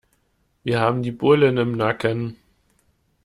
Wir haben die Bullen im Nacken.